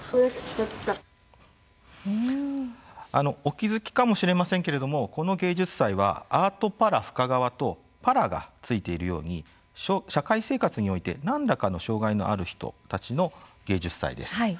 お気付きかもしれませんけれども、この芸術祭は「アートパラ深川」と「パラ」が付いているように社会生活において、何らかの障害のある人たちの芸術祭です。